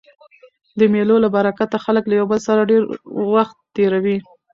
د مېلو له برکته خلک له یو بل سره ډېر وخت تېروي.